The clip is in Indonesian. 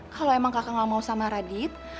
kalau emang kakak gak mau sama radit